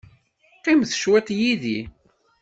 Qqimet cwiṭ yid-i.